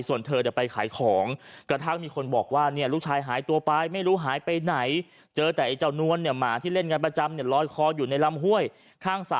ส่วนเธอเดี๋ยวไปขายของ